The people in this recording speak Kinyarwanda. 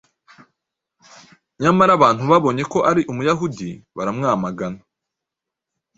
Nyamara abantu babonye ko ari Umuyahudi baramwamagana,